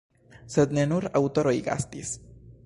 Sed ne nur aŭtoroj gastis.